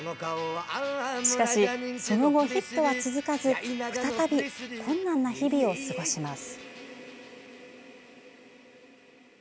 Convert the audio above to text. しかし、その後ヒットは続かず再び困難な日々を過ごします。